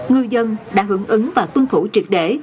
người dân đã hưởng ứng và tuân thủ triệt để